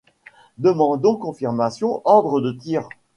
Demandons confirmation ordre de tir.